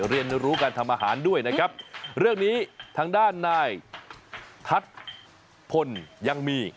เรียนรู้การทำอาหารด้วยนะครับเรื่องนี้ทางด้านนายทัศน์พลยังมี